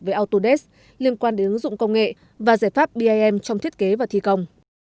với autodes liên quan đến ứng dụng công nghệ và giải pháp bim trong thiết kế và thi công